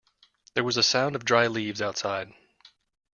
There was a sound of dry leaves outside.